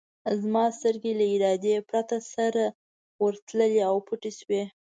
زما سترګې له ارادې پرته سره ورتللې او پټې شوې.